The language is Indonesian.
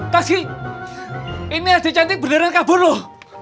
tansky ini ade cantik beneran kabur loh